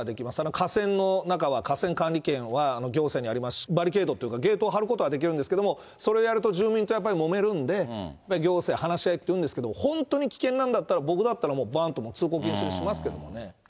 架線の中は架線管理権は行政がやりますし、バリケードというか、ゲートを張ることはできるんですけれども、それやると住民とやっぱりもめるんで、やっぱり行政、話し合いっていうんですけど、本当に危険なんだったら、僕だったら、ばーんと通行禁止にしますけれどもね。